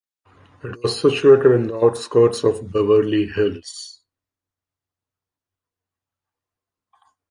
It was situated in the outskirts of Beverly Hills.